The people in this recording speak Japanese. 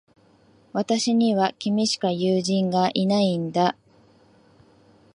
私には、君しか友人がいないんだ。